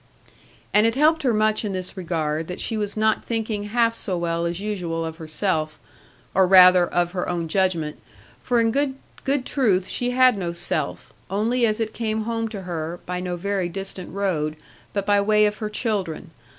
And it helped her much in this regard, that she was not thinking half so well as usual of herself, or rather of her own judgment; for in good truth she had no self, only as it came home to her, by no very distant road, but by way of her children.